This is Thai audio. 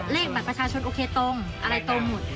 เลขบัตรประชาชนโอเคตรงอะไรตรงหมด